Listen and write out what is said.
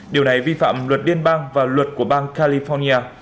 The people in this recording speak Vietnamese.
điều này vi phạm luật liên bang và luật của bang california